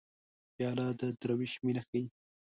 پیاله د دروېش مینه ښيي.